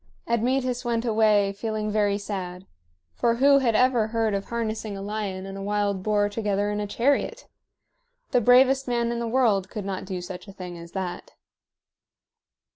Admetus went away feeling very sad; for who had ever heard of harnessing a lion and a wild boar together in a chariot? The bravest man in the world could not do such a thing as that.